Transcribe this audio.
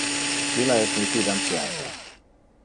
Illa es mi fidantiata.